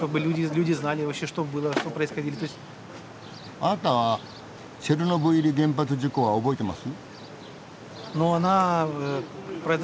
あなたはチェルノブイリ原発事故は覚えてます？